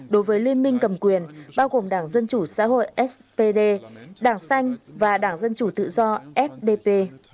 đối với liên minh cầm quyền bao gồm đảng dân chủ xã hội spd đảng xanh và đảng dân chủ tự do fdp